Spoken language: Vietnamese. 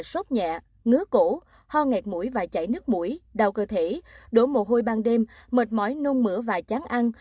sốt nhẹ ngứa cổ ho ngạt mũi và chảy nước mũi đau cơ thể đổ mồ hôi ban đêm mệt mỏi nung mửa và chán ăn